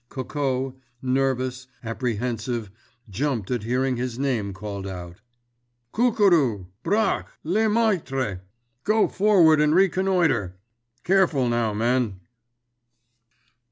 Coco, nervous, apprehensive, jumped at hearing his name called out. "Cucurou! Bracques! Lemaitre! Go forward and reconnoiter! Careful, now, men!"